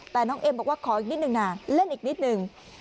แต่น้องเอ็มบอกว่าขออีกนิดนึงนะเล่นอีกนิดนึง